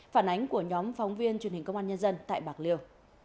phản ánh của nhóm phóng viên truyền hình công an nhân dân tại bạc liêu